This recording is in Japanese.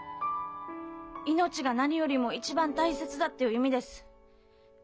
「命が何よりも一番大切だ」という意味です。